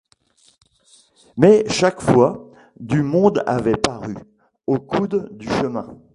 Mais, chaque fois, du monde avait paru, au coude du chemin.